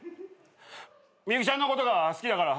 ミユキちゃんのことが好きだから。